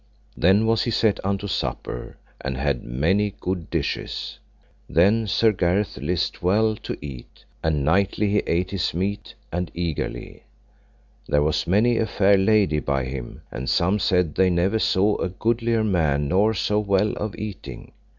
Then was he set unto supper, and had many good dishes. Then Sir Gareth list well to eat, and knightly he ate his meat, and eagerly; there was many a fair lady by him, and some said they never saw a goodlier man nor so well of eating.